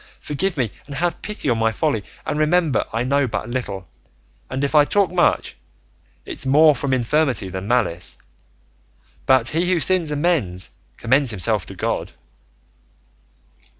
Forgive me and have pity on my folly, and remember I know but little, and, if I talk much, it's more from infirmity than malice; but he who sins and mends commends himself to God."